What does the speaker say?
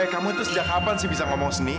kamu itu sejak kapan sih bisa ngomong seni